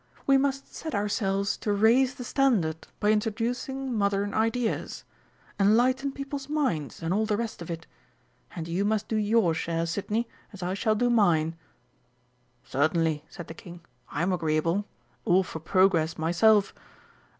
We must set ourselves to raise the standard by introducing modern ideas enlighten people's minds, and all the rest of it. And you must do your share, Sidney, as I shall do mine." "Certainly," said the King; "I'm agreeable. All for progress myself.